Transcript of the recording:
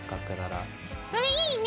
それいいね！